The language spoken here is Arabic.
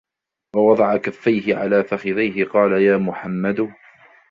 وَوَضَعَ كَفَّيْهِ على فَخِذَيْهِ؛ قالَ: يا محمَّدُ،